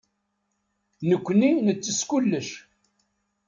Nekkni nettess kullec.